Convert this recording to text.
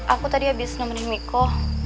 aku tadi habis nemenin miko